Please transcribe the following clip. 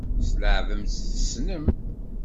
Tleεεbem-tt tessnem.